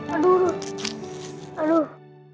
aduh aduh aduh